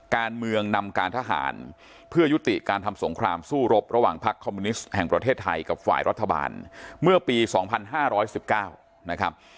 การเมืองนำการทหารเพื่อยุติการทำสงครามสู้รบระหว่างพักคอมมิวนิสต์แห่งประเทศไทยกับฝ่ายรัฐบาลเมื่อปี๒๕๑๙นะครับ